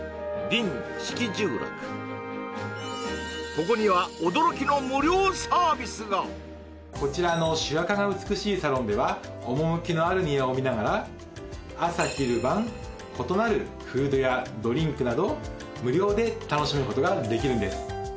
ここにはこちらの朱赤が美しいサロンでは趣のある庭を見ながら朝昼晩異なるフードやドリンクなど無料で楽しむことができるんです